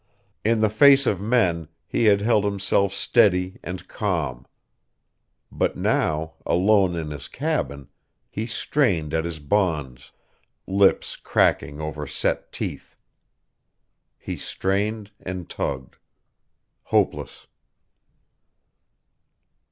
In the face of men, he had held himself steady and calm.... But now, alone in his cabin, he strained at his bonds, lips cracking over set teeth. He strained and tugged.... Hopeless....